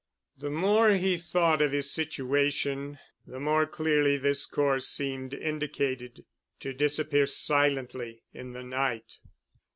The more he thought of his situation, the more clearly this course seemed indicated. To disappear silently—in the night.